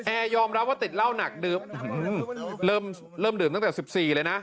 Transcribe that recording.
ยอมรับว่าติดเหล้าหนักดื่มเริ่มดื่มตั้งแต่๑๔เลยนะ